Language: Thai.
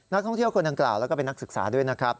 นักท่องเที่ยวคนดังกล่าวแล้วก็เป็นนักศึกษาด้วยนะครับ